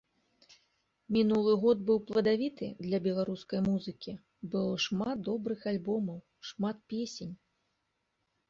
Мінулы год быў пладавіты для беларускай музыкі, было шмат добрых альбомаў, шмат песень.